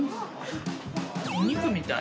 お肉みたい。